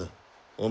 お前